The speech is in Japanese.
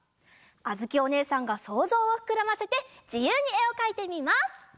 あづきおねえさんがそうぞうをふくらませてじゆうにえをかいてみます！